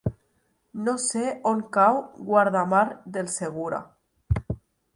No sé on cau Guardamar del Segura.